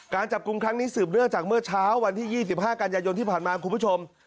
การจับกลุ่มครั้งนี้สืบเนื่องจากเมื่อเช้าวันที่๒๕กันยายนที่ผ่านมาคุณผู้ชม